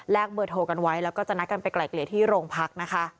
แลกเบอร์โทกันไว้และก็จะนัดกันไปกไหล่เกลียดที่โรงพัก